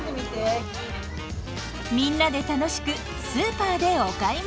みんなで楽しくスーパーでお買い物。